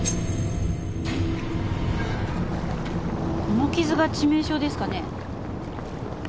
この傷が致命傷ですかね？